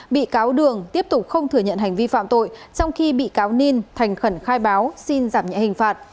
bị cáo đường tiếp tục không thừa nhận hành vi phạm tội trong khi bị cáo ninh thành khẩn khai báo xin giảm nhẹ hình phạt